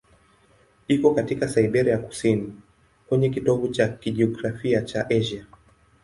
Iko katika Siberia ya kusini, kwenye kitovu cha kijiografia cha Asia.